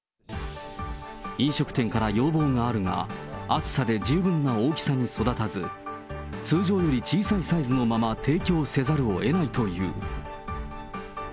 飲食店から要望があるが、暑さで十分な大きさに育たず、通常より小さいサイズのまま提供せざるをえないという。